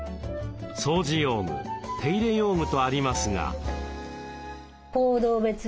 「掃除用具手入れ用具」とありますが。